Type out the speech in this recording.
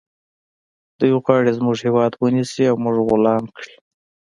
دوی غواړي زموږ هیواد ونیسي او موږ غلام کړي